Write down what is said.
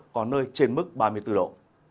có nơi trên mức ba mươi bốn độ